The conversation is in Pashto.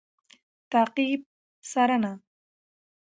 تعقیب √څارنه